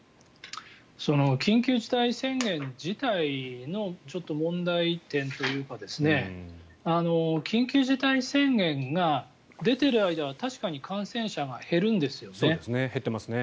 緊急事態宣言自体の問題点というか緊急事態宣言が出ている間は確かに感染者が減るんですよね。